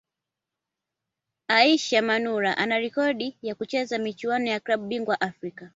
Aishi Manula ana rekodi ya kucheza michuano ya klabu bingwa Afrika